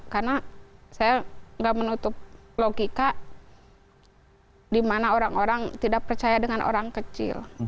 karena saya tidak menutup logika di mana orang orang tidak percaya dengan orang kecil